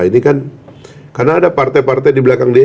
ini kan karena ada partai partai di belakang dia